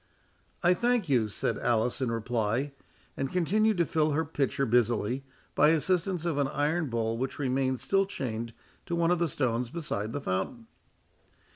"I thank you," said Alice in reply; and continued to fill her pitcher busily, by assistance of an iron bowl which remained still chained to one of the stones beside the fountain.